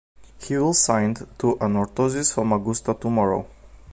He will signed to Anorthosis Famagusta tomorrow.